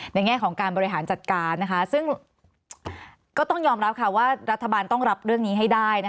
แง่ของการบริหารจัดการซึ่งก็ต้องยอมรับว่ารัฐบาลต้องรับเรื่องนี้ให้ได้